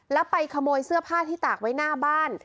แล้วไปขโมยเสื้อผ้าที่ตากไว้หน้าบ้าน